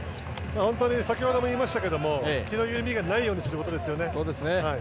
先ほども言いましたけど気の緩みがないようにすることですよね。